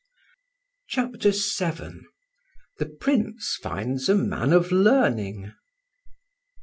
CHAPTER VII THE PRINCE FINDS A MAN OF LEARNING.